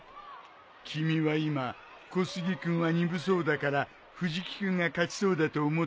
君は今小杉君は鈍そうだから藤木君が勝ちそうだと思ったんだろ。